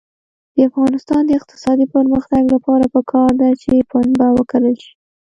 د افغانستان د اقتصادي پرمختګ لپاره پکار ده چې پنبه وکرل شي.